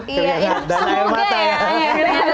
dan air mata ya